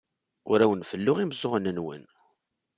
Ur awen-felluɣ imeẓẓuɣen-nwen.